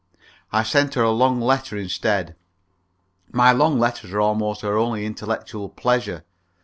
I sent her a long letter instead my long letters are almost her only intellectual pleasure.